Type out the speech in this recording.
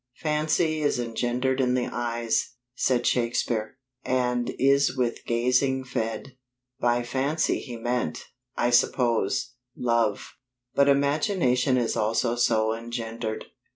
Fancy is engendered in the eyes, said Shakespeare, and is with gazing fed. By fancy he meant (I suppose) love; but imagination is also so engendered.